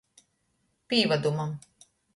Pīvadumam.